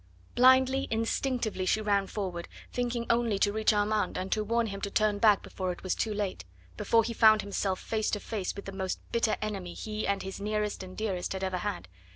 Blindly, instinctively, she ran forward, thinking only to reach Armand, and to warn him to turn back before it was too late; before he found himself face to face with the most bitter enemy he and his nearest and dearest had ever had.